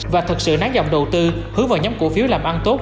và thực sự nát dòng đầu tư hướng vào nhóm cổ phiếu làm ăn tốt